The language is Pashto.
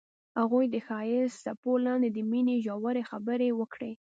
هغوی د ښایسته څپو لاندې د مینې ژورې خبرې وکړې.